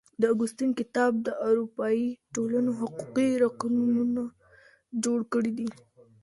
د اګوستين کتاب د اروپايي ټولنو حقوقي رکنونه جوړ کړي دي.